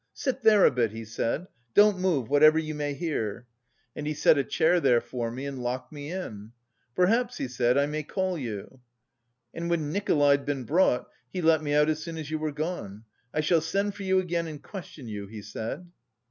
'Sit there a bit,' he said. 'Don't move, whatever you may hear.' And he set a chair there for me and locked me in. 'Perhaps,' he said, 'I may call you.' And when Nikolay'd been brought he let me out as soon as you were gone. 'I shall send for you again and question you,' he said."